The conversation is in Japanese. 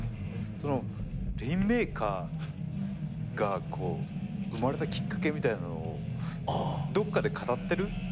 レインメーカーが生まれたきっかけみたいなのをどっかで語ってる？